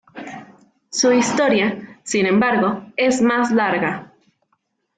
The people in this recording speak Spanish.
Su historia, sin embargo, es más larga.